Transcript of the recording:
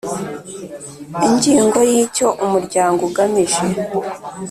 Ingingo ya icyo umuryango ugamije